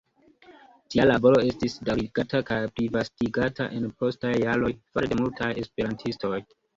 Tia laboro estis daŭrigata kaj plivastigata en postaj jaroj, fare de multaj esperantistoj.